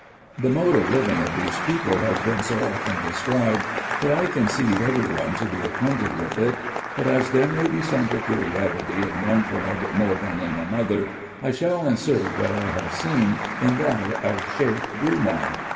The mode of living of these people has been so often described, that I conceive every one to be acquainted with it ; but as there may be some peculiarity in one tribe more than in another, I shall insert what I have seen in that of Sheik Grumar.